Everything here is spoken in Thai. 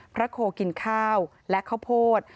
พระโครกินข้าวและข้าวโพธิ